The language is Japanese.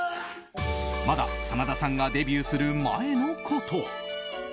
まだ真田さんがデビューする前のこと。